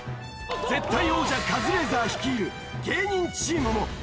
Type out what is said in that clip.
絶対王者カズレーザー率いる芸人チームも